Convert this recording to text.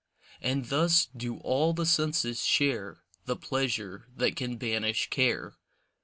And thus do all the senses share The pleasure that can banish care.